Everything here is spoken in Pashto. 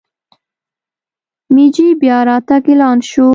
مېجي بیا راتګ اعلان شو.